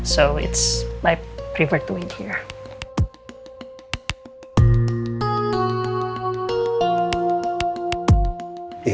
jadi ini adalah kegembiraanku untuk menunggu di sini